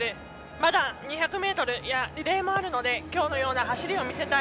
まだ２００ｍやリレーもあるのできょうのような走りを見せたい。